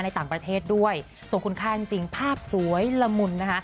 ในต่างประเทศด้วยส่งคุณค่าจริงภาพสวยละมุนนะคะ